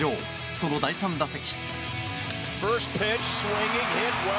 その第３打席。